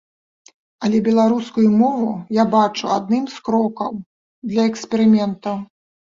Але беларускую мову я бачу адным з крокаў для эксперыментаў.